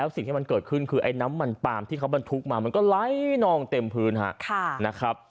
สิ่งที่เกิดขึ้นคือน้ำมันปาล์มทุกข์มันล้ายนองเต็มพื้น